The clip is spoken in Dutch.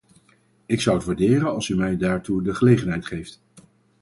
Ik zou het waarderen als u mij daartoe de gelegenheid geeft.